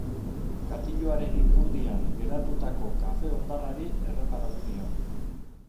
Katiluaren ipurdian geratutako kafe kondarrari erreparatu nion.